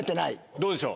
どうでしょう。